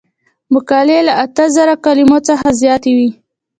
مقالې له اته زره کلمو څخه زیاتې وي.